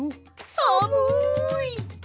さむい。